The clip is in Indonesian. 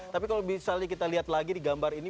tapi kalau misalnya kita lihat lagi di gambar ini